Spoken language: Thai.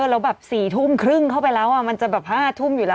ลำบั๊บ๔๑๙๓๐เข้าไปมาแล้วมันจะ๕ทุ่มอยู่ละ